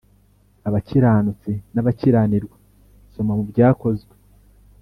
abakiranutsi n abakiranirwa Soma mu Byakozwe